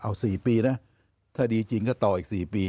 เอา๔ปีนะถ้าดีจริงก็ต่ออีก๔ปี